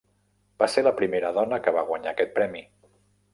Va ser la primera dona que va guanyar aquest premi.